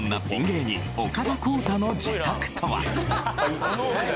芸人岡田康太の自宅とは？